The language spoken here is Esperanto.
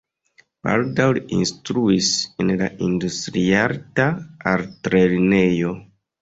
Baldaŭ li instruis en la Industriarta Altlernejo.